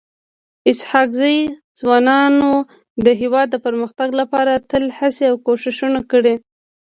اسحق زي ځوانانو د هيواد د پرمختګ لپاره تل هڅي او کوښښونه کړي.